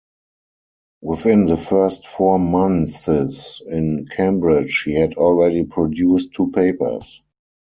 Within the first four months in Cambridge, he had already produced two papers.